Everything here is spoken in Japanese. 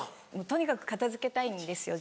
とにかく片付けたいんですよ